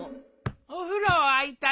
お風呂空いたぞ。